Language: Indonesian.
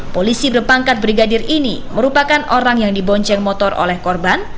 polisi berpangkat brigadir ini merupakan orang yang dibonceng motor oleh korban